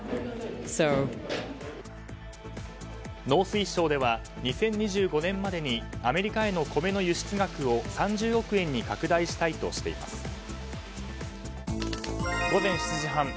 農水省では２０２５年までにアメリカへの米の輸出額を３０億円に拡大したいとしています。